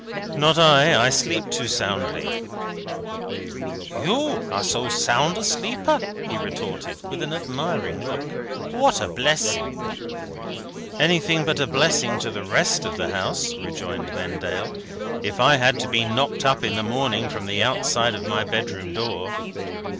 "Not I. I sleep too soundly." "You are so sound a sleeper?" he retorted, with an admiring look. "What a blessing!" "Anything but a blessing to the rest of the house," rejoined Vendale, "if I had to be knocked up in the morning from the outside of my bedroom door."